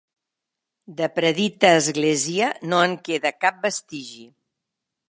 De predita església no en queda cap vestigi.